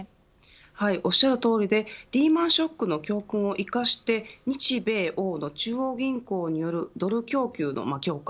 はいおしゃるとおりでリーマン・ショックの教訓を生かして日米欧の中央銀行によるドル供給の強化